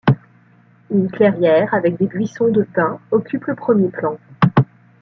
Une clairière avec des buissons de pins occupe le premier plan.